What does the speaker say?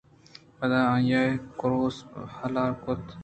پدا آئی ءَ کُروس ہِلار کُت